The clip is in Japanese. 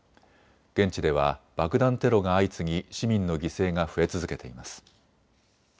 現地では爆弾テロが相次ぎ市民の犠牲が増え続けています。